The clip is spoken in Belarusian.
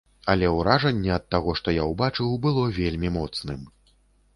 Але ўражанне ад таго, што я ўбачыў, было вельмі моцным.